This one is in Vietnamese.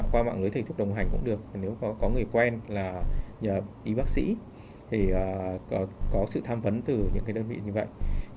qua mạng lưới thầy thuốc đồng hành cũng được nếu có người quen là y bác sĩ thì có sự tham vấn từ những đơn vị như vậy